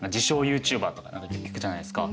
ユーチューバーとか聞くじゃないですか。